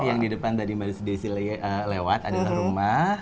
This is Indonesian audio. yang di depan tadi maris desi lewat adalah rumah